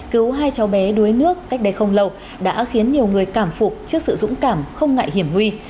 cứu hai cháu bé đuối nước cách đây không lâu đã khiến nhiều người cảm phục trước sự dũng cảm không ngại hiểm huy